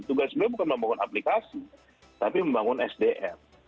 tugasnya bukan membangun aplikasi tapi membangun sdm